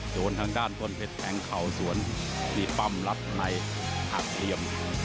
ทางด้านต้นเพชรแทงเข่าสวนนี่ปั้มรัดในหักเหลี่ยม